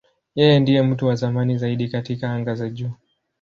Yeye ndiye mtu wa zamani zaidi katika anga za juu.